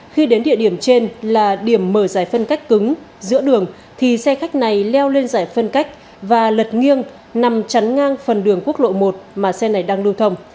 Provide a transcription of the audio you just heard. khi đến địa điểm trên là điểm mở giải phân cách cứng giữa đường thì xe khách này leo lên giải phân cách và lật nghiêng nằm chắn ngang phần đường quốc lộ một mà xe này đang lưu thông